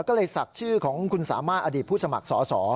ก็เลยศักดิ์ชื่อของคุณสามารถอดีตผู้สมัครสอสอ